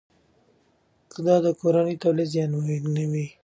دا د کورني تولید زیانمنوي.